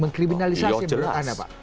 mengkriminalisasi beratnya pak